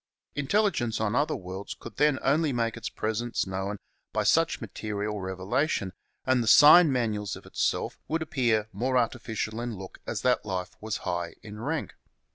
Intelligence on other worlds could then only make its presence known by such material revela tion, and the sign manuals of itself would appear more artificial in look as that life was high in rank.